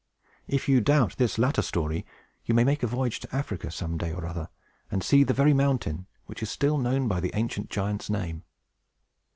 If you doubt this latter story, you may make a voyage to Africa, some day or other, and see the very mountain, which is still known by the ancient giant's name.